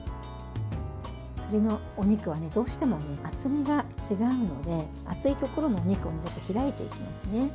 鶏のお肉はどうしても厚みが違うので厚いところのお肉を開いていきますね。